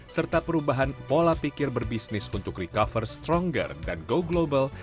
serta perubahan pola pikir berbisnis untuk recover stronger dan go global